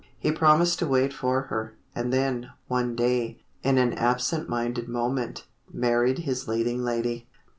He promised to wait for her, and then, one day, in an absent minded moment, married his leading lady.